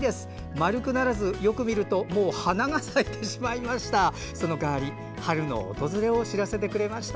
丸くならず、よく見るともう花が咲いてしまいました。